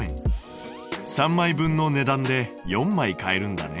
３枚分の値段で４枚買えるんだね。